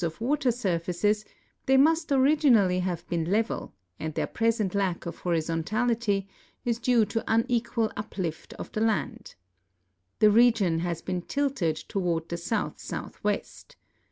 16 234 MODIFICATION OF THE GREAT LAKES water surfaces, they must originally have been level, and their present lack of horizontality is due to unequal uplift of the land. The region has been tilted toward the south southwest.